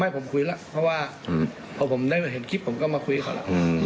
ให้ผมคุยแล้วเพราะว่าพอผมได้เห็นคลิปผมก็มาคุยเขาแล้ว